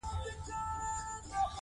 دوی غرونه له بیخه ونړول.